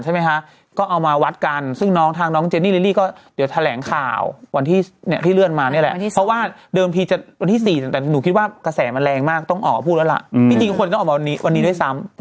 เจ้าแม่น่าเขียนใส่รองท้าว่ากลัวลอย